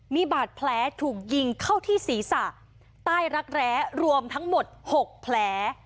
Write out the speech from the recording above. มีบาดแผลถูกยิงเข้าที่ศีรษะใต้รักแร้รวมทั้งหมด๖แผล